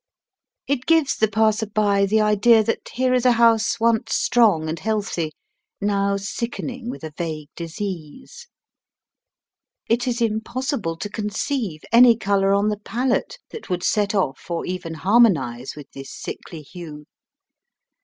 It gives the passer by the idea that here is a house once strong and healthy, now sickening with a vague disease. It is im possible to conceive any colour on the palette Digitized by VjOOQIC NEW TOEK CITY. 33 that would set off or even harmonize with this sickly hue.